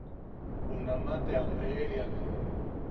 Junama te am eʼeriak.